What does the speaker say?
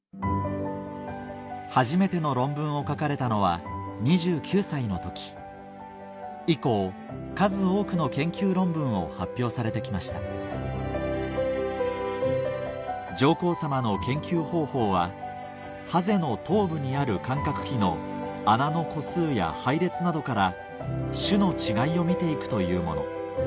初めての論文を書かれたのは２９歳の時以降数多くの研究論文を発表されて来ました上皇さまの研究方法はハゼの頭部にある感覚器の穴の個数や配列などから種の違いを見て行くというもの